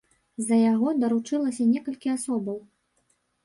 За яго даручылася некалькі асобаў.